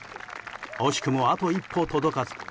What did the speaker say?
惜しくも、あと一歩届かず。